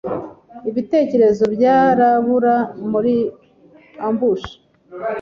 ibitekerezo byirabura muri ambushi